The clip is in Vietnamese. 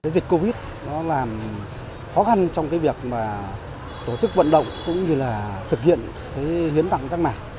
dịch covid nó làm khó khăn trong việc tổ chức vận động cũng như là thực hiện hiến tặng rác mạc